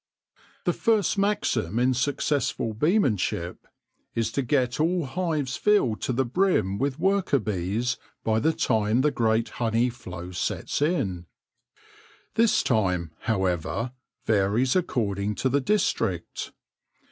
The first maxim in successful beemanship is to get all hives filled to the brim with worker bees by the time the great honey flow sets in. This time, however, varies according to the district.